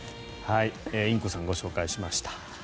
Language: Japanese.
インコさんをご紹介しました。